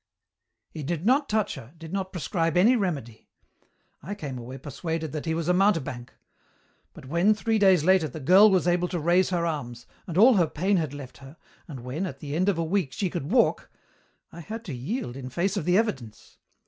"He did not touch her, did not prescribe any remedy. I came away persuaded that he was a mountebank. But when, three days later, the girl was able to raise her arms, and all her pain had left her, and when, at the end of a week, she could walk, I had to yield in face of the evidence.